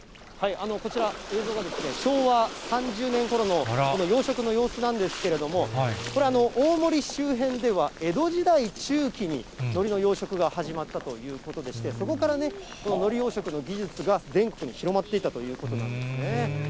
こちら、映像が昭和３０年ごろのこの養殖の様子なんですけれども、これ、大森周辺では江戸時代中期に、のりの養殖が始まったということでして、そこからのり養殖の技術が全国に広まっていったということなんですね。